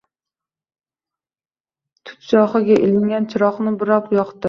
Tut shoxiga ilingan chiroqni burab yoqdi.